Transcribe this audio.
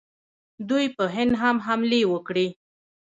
دوی په هند هم حملې وکړې